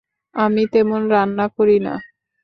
আমি তেমন রান্না করি না।